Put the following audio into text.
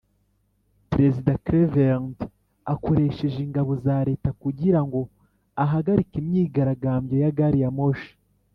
perezida cleveland akoresha ingabo za leta kugirango ahagarike imyigaragambyo ya gari ya moshi